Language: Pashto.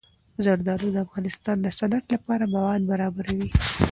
زردالو د افغانستان د صنعت لپاره مواد برابروي.